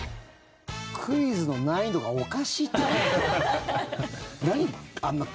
クイズの難易度がおかしいって。